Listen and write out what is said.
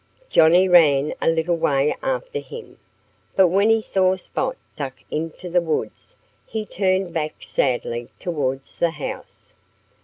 Johnnie ran a little way after him. But when he saw Spot duck into the woods he turned back sadly towards the house.